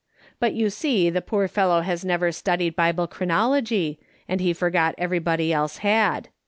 'But you see the poor fellow has never studied Bible chronology, and he forgot anybody else had.